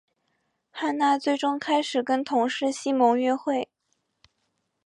汉娜最终开始跟同事西蒙约会。